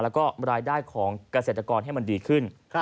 แล้วก็รายได้ของเกษตรกรให้มันดีขึ้น